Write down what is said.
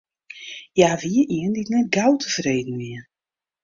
Hja wie ien dy't net gau tefreden wie.